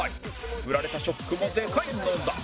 フラれたショックもでかいのだ